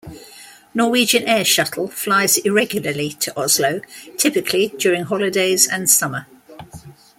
Norwegian Air Shuttle flies irregularly to Oslo, typically during holidays and summer.